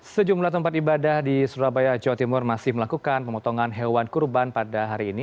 sejumlah tempat ibadah di surabaya jawa timur masih melakukan pemotongan hewan kurban pada hari ini